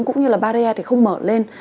cũng như là barrier thì không mở lên